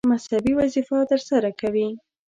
مذهبي وظیفه ترسره کوي.